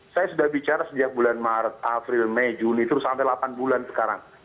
saya sudah bicara sejak bulan maret april mei juni terus sampai delapan bulan sekarang